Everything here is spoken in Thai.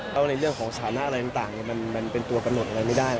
แล้วในเรื่องของสถานะอะไรต่างมันเป็นตัวกำหนดอะไรไม่ได้